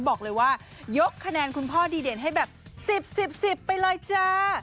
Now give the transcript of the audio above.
บอกเลยว่ายกคะแนนคุณพ่อดีเด่นให้แบบ๑๐๑๐๑๐๑๐ไปเลยจ้า